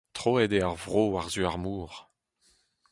Troet eo ar vro war-zu ar mor.